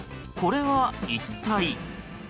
これは一体。